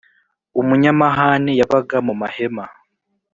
Umunyamahane yabaga mu mahema